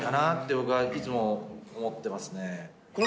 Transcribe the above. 僕はいつも思ってますね。